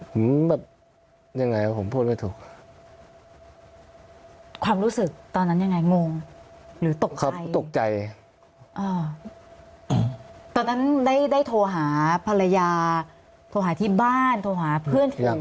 ผมแบบยังไงผมพูดไม่ถูกความรู้สึกตอนนั้นยังไงงงหรือตกใจตกใจอ่าตอนนั้นได้ได้โทรหาภรรยาโทรหาที่บ้านโทรหาเพื่อนที่ยัง